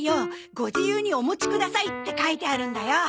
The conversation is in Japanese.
「ご自由にお持ちください」って書いてあるんだよ。